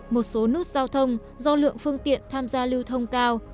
một số nút giao thông do lượng phương tiện tham gia lưu thông cao